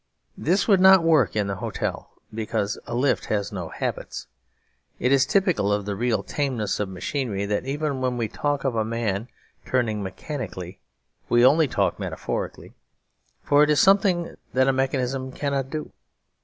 This would not work in the hotel; because a lift has no habits. It is typical of the real tameness of machinery, that even when we talk of a man turning mechanically we only talk metaphorically; for it is something that a mechanism cannot do.